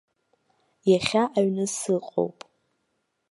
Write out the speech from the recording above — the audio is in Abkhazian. Иахьа аҩны сыҟоуп.